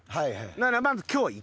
だからまず今日はイカ。